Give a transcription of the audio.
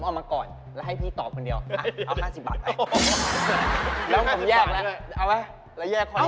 แต่ถ้าข้อนี้พี่ตอบถูกพี่เอานะ